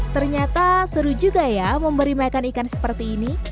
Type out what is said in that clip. ternyata seru juga ya memberi makan ikan seperti ini